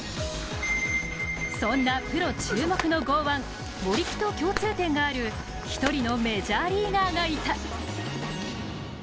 そんなプロ注目の剛腕・森木と共通点がある一人のメジャーリーガーがいた。